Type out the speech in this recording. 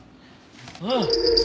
ああ！